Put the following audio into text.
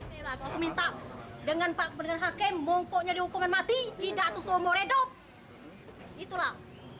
pelaku yang tujuh